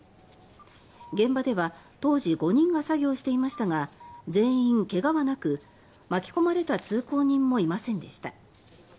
現場では当時５人が作業していましたが全員けがはなく巻き込まれた通行人もいませんでした。